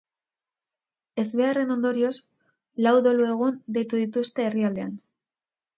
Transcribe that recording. Ezbeharraren ondorioz, lau dolu-egun deitu dituzte herrialdean.